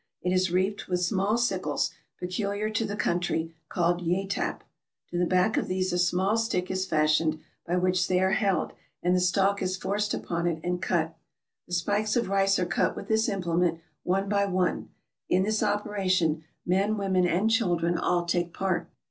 It is reaped with small sickles, peculiar to the country, called yatap ; to the back of these a small stick is fastened, by which they are held, and the stalk is forced upon it and cut. The spikes of rice are cut with this implement, one by one. In this operation, men, women and children, all take part.